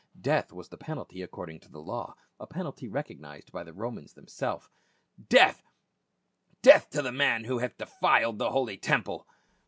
Death was the penalty according to the law, a penalty recognized by the Romans themselves. " Death — death to the man who hath defiled the holy temple